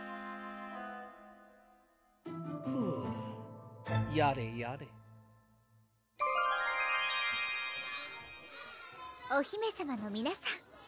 フゥやれやれお姫さまの皆さん